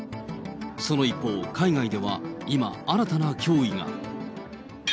その一方、海外では今、新たな脅威が。